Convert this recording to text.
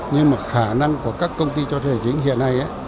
nhưng mà khả năng của các công ty cho thuê hành chính hiện nay